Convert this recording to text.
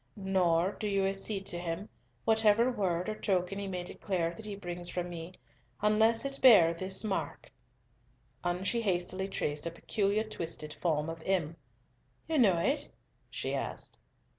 Nor do you accede to him, whatever word or token he may declare that he brings from me, unless it bear this mark," and she hastily traced a peculiar twisted form of M. "You know it?" she asked.